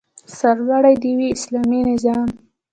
سرلوړی دې وي اسلامي نظام؟